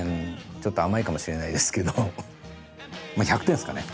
ちょっと甘いかもしれないですけどまあ１００点ですかね。